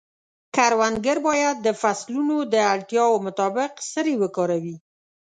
کروندګر باید د فصلونو د اړتیاوو مطابق سرې وکاروي.